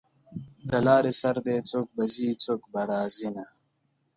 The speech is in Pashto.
د لارې سر دی څوک به ځي څوک به راځینه